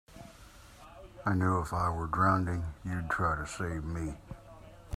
I knew if I were drowning you'd try to save me.